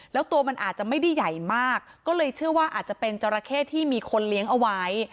แล้วตัวมันอาจจะไม่ได้ใหญ่มากก็เลยเชื่อว่าอาจจะเป็นจราเข้ที่มีคนเลี้ยงเอาไว้